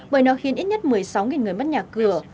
bởi nó khiến ít nhất một mươi sáu người mất nhà cửa